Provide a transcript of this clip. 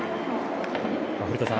古田さん